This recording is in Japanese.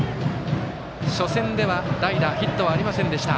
初戦では代打ヒットはありませんでした。